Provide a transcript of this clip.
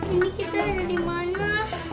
ini kita ada di mana